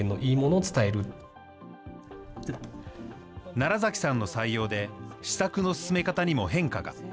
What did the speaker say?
楢崎さんの採用で、施策の進め方にも変化が。